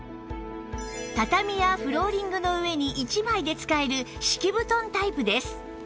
畳やフローリングの上に１枚で使える敷き布団タイプです